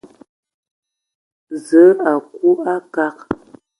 Zǝə a aku a nkad.